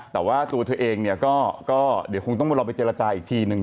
แต่ว่าตัวเธอเองนะคงต้องหลอกไปเจรจาอีกทีหนึ่ง